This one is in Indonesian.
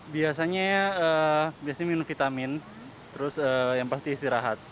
biasanya minum vitamin terus yang pasti istirahat